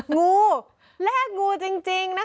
งูแลกงูจริงนะคะ